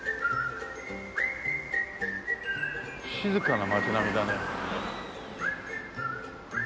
静かな町並みだね。